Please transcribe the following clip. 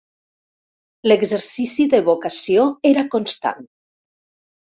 L'exercici d'evocació era constant.